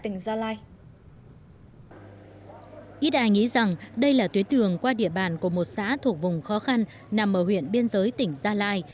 ít ai nghĩ rằng đây là tuyến đường qua địa bàn của một xã thuộc vùng khó khăn nằm ở huyện biên giới tỉnh gia lai